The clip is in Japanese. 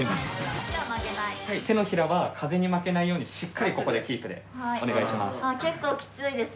手のひらは風に負けないようにしっかりここでキープでお願いします。